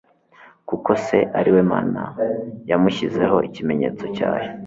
kuko "Se, ari we Mana yamushyizeho ikimenyetso cyayo."